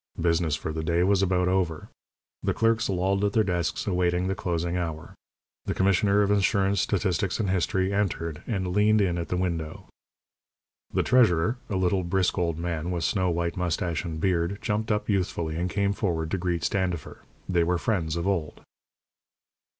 Business for the day was about over. The clerks lolled at their desks, awaiting the closing hour. The Commissioner of Insurance, Statistics, and History entered, and leaned in at the window. The treasurer, a little, brisk old man, with snow white moustache and beard, jumped up youthfully and came forward to greet Standifer. They were friends of old.